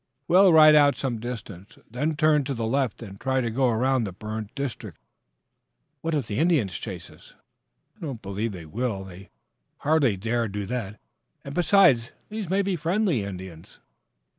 We'll ride out some distance, then turn to the left and try to go around the burned district." "What if the Indians chase us?" "I don't believe they will. They'll hardly dare do that. And, besides, these may be friendly Indians."